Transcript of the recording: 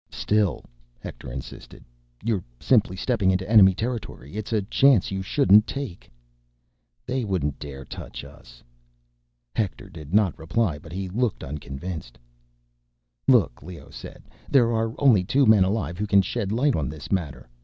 "Still," Hector insisted, "you're simply stepping into enemy territory. It's a chance you shouldn't take." "They wouldn't dare touch us." Hector did not reply, but he looked unconvinced. "Look," Leoh said, "there are only two men alive who can shed light on this matter.